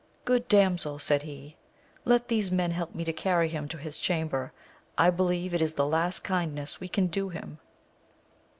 Good damsel, said he, let these men help me to carry him to his chamber, I believe it is the last kindness we can do ^^im.